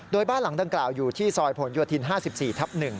โดยบ้านหลังดังกล่าวอยู่ที่ซอยผลโยธิน๕๔ทับ๑